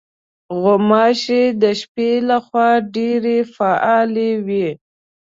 غوماشې د شپې له خوا ډېرې فعالې وي.